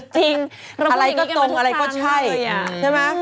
จริงเราพูดอย่างนี้กันมาทุกทางเลยอะใช่ไหม